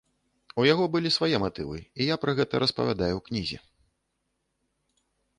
У яго былі свае матывы, і я пра гэта распавядаю ў кнізе.